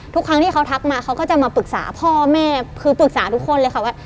ทุกครั้งที่เขาทักมาเขาก็จะมาปรึกษาพ่อแม่คือปรึกษาทุกคนเลยค่ะว่า